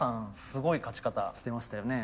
すごい勝ち方してましたよね。